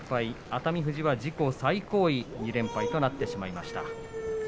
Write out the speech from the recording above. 熱海富士は自己最高位できのう、きょう２連敗となってしまいました。